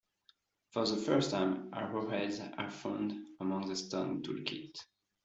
For the first time arrowheads are found among the stone tool kit.